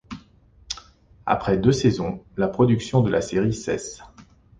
Après deux saisons, la production de la série cesse.